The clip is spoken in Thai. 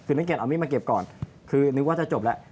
คือนักเกียจเอามีดมาเก็บก่อนคือนึกว่าจะจบแล้ว